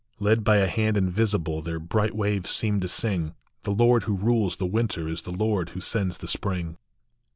Led by a hand invisible, their bright waves seem to sing, " The Lord who rules the winter is the Lord who sends the spring